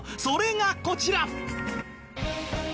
それがこちら。